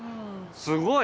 すごい。